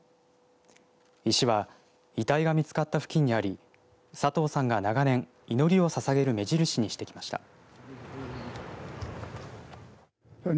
石は遺体が見つかった付近にあり佐藤さんが長年、祈りをささげる目印にしてきました。